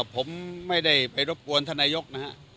ผมไม่ได้ไปรบกวนท่านนายกนะฮะ